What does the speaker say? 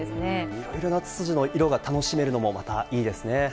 いろいろなツツジの色が楽しめるのもいいですね。